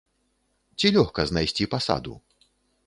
Ці лёгка знайсці пасаду?